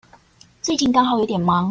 最近剛好有點忙